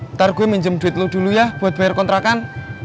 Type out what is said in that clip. ntar gue minjem duit lo dulu ya buat bayar kontrakan